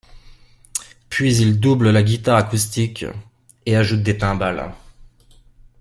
Puis il double la guitare acoustique et ajoute des timbales.